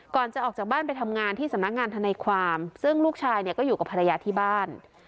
ก่อนจะออกจากบ้านไปทำงานที่สำนักงานทนายความซึ่งลูกชายเนี่ยก็อยู่กับภรรยาที่บ้าน